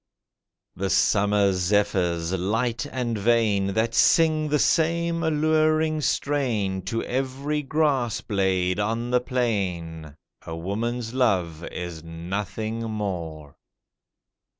The summer zephyrs, light and vain, That sing the same alluring strain To every grass blade on the plain— A woman's love is nothing more.